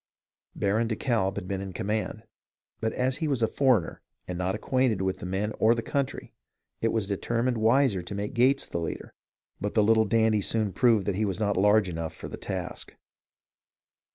Baron de Kalb had been in command ; but as he was a foreigner and not acquainted with the men or the country, it was deemed wiser to make Gates the leader, but the little dandy soon proved that he was not large enough for the task.